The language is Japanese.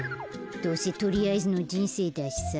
どうせとりあえずのじんせいだしさ。